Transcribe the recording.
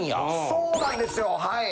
そうなんですよはい。